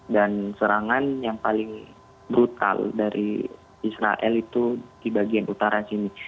serangan yang paling brutal dari israel itu di bagian utara sini